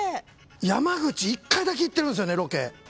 山口１回だけ行ってるんすよねロケ。